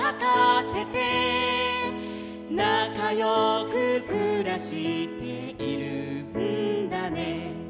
「なかよくくらしているんだね」